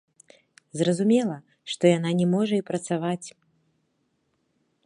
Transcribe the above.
Зразумела, што яна не можа і працаваць.